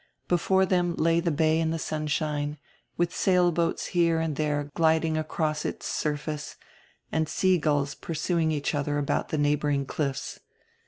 Before diem lay die bay in die sunshine, with sail boats here and diere gliding across its surface and sea gulls pursuing each otiier about die neighboring cliffs.